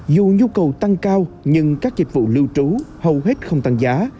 dù nhu cầu tăng cao nhưng các dịch vụ lưu trú hầu hết không tăng giá